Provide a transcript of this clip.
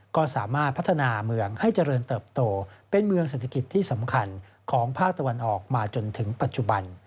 ก็สามารถพัฒนาเมืองให้เจริญเติบโตเป็นเมืองเศรษฐกิจที่สำคัญของภาคตะวันออกมาจนถึงปัจจุบัน